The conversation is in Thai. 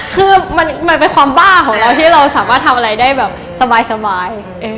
คือมันเป็นความบ้าของเราที่เราสามารถทำอะไรได้แบบสบาย